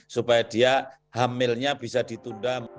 supaya dia hamilnya bisa ditunda